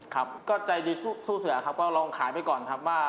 ครับก็ใจดีสู้เสือครับก็ลองขายไปก่อนครับว่า